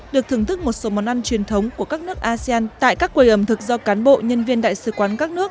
được thưởng thức một số món ăn truyền thống của các nước asean tại các quầy ẩm thực do cán bộ nhân viên đại sứ quán các nước